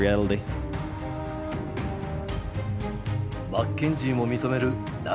マッケンジーも認める流。